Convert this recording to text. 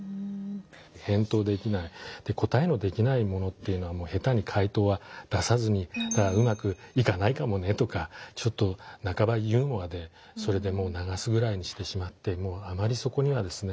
返答できない答えのできないものっていうのは下手に回答は出さずにただ「うまくいかないかもね」とかちょっと半ばユーモアでそれでもうながすぐらいにしてしまってあまりそこにはですね